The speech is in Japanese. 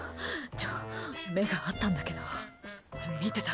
ちょ、目が合ったんだけど。見てた。